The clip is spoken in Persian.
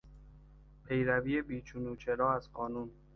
پیروی بیچون و چرا از قانون